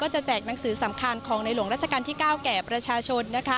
แจกหนังสือสำคัญของในหลวงราชการที่๙แก่ประชาชน